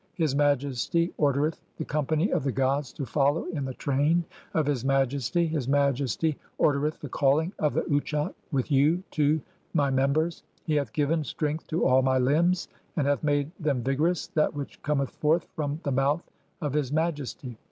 ''His Majesty ordereth the company of the gods to follow in "the train of his Majesty ; his Majesty ordereth the calling of "the Utchat with you [to] (4) my members. He hath given "strength to all my limbs, and hath made them vigorous that "which cometh forth from the mouth of His Majesty.